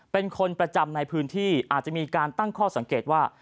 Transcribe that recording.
เป็นคนประจำในพื้นที่อาจจะมีการตั้งข้อสังเกตว่า